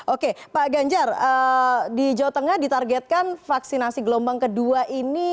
oke pak ganjar di jawa tengah ditargetkan vaksinasi gelombang kedua ini